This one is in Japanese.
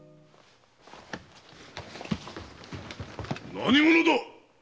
何者だ⁉